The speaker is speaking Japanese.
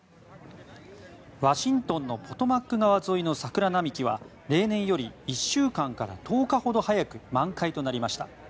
ワシントンのポトマック川沿いの桜並木は例年より１週間から１０日ほど早く満開となりました。